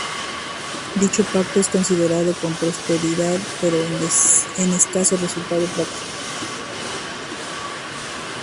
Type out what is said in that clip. Dicho pacto es conseguido con posterioridad, pero de escaso resultado práctico.